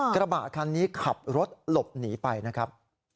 กระบะคันนี้ขับรถหลบหนีไปนะครับ